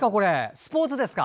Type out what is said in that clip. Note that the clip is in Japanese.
スポーツですか？